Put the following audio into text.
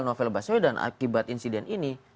novel baswedan akibat insiden ini